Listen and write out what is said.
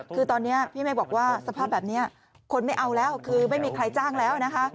คือตอนนี้พี่เมฆบอกว่าสภาพแบบนี้คนไม่เอาแล้วคือไม่มีใครจ้างแล้วนะคะ